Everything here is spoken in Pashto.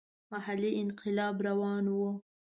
محلي انقلاب روان وو.